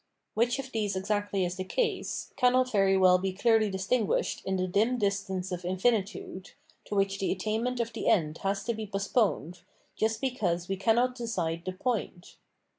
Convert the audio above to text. ^ich of these exactly is the case, can not very w'ell be clearly distinguished in the dim dis tance of infinitude, to which the attainment of the end has to be postponed, just because we cannot decide the point.